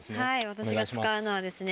私が使うのはですね